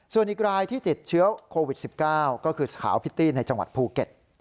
ส่วนอีกรายที่ติดเชื้อโควิด๑๙ก็คือสาวพิตตี้ในจังหวัดภูเก็ต